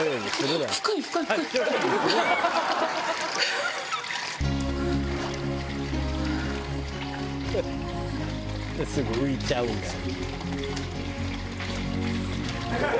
「なんですぐ浮いちゃうんだよ」